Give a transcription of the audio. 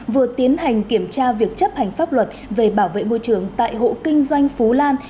vừa tiến hành kiểm tra việc chấp hành pháp luật về bảo vệ môi trường tại hộ kinh doanh phú lan